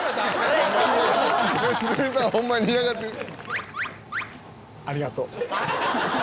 「良純さんホンマに嫌がってる」